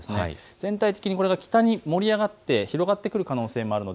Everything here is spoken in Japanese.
全体的にこれが北に広がってくる可能性もあります。